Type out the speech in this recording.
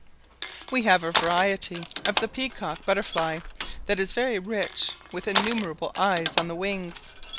We have a variety of the peacock butterfly, that is very rich, with innumerable eyes on the wings.